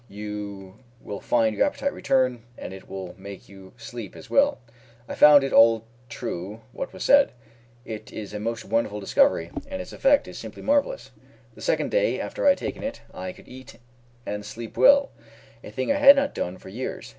You will find your appetite return, and it will make you sleep as well." I found it all true what was said. It is a most wonderful discovery, and its effect is simply marvellous. The second day after I had taken it, I could eat and sleep well, a thing I had not done for years.